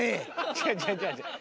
違う違う違う違う。